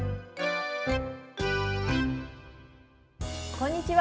こんにちは。